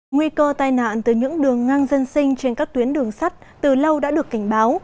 nguy cơ tai nạn từ những đường ngang dân sinh trên các tuyến đường sắt từ lâu đã được cảnh báo